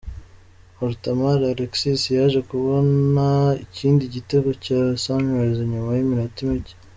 Orotomal Alexis yaje kubona ikindi gitego cya Sunrise nyuma y’iminota mike.